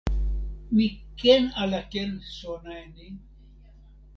mi ken ala ken sona e ni?